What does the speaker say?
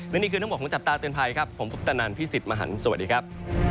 และนี่คือทั้งหมดของจับตาเตือนภัยครับผมพุทธนันพี่สิทธิ์มหันฯสวัสดีครับ